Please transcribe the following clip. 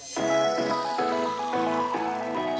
resiko arang ya